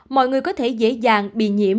mọi người có thể dễ dàng bị nhiễm